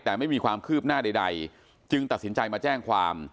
แต่ไม่มีความคืบหน้าใดจึงตัดสินใจมาแจ้งความ